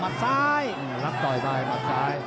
ซ้ายรับต่อยไปหมัดซ้าย